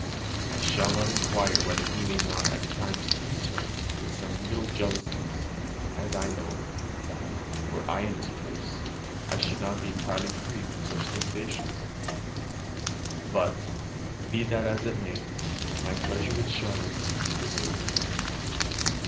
I shall not inquire whether he may not at times tease her with some little jealousies; as I know, that, were I in his place, I should not be entirely free from such sensations. But, be that as it may, my pleasure with Charlotte is over.